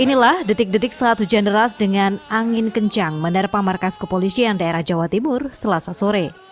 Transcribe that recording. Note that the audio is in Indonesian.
inilah detik detik saat hujan deras dengan angin kencang menerpa markas kepolisian daerah jawa timur selasa sore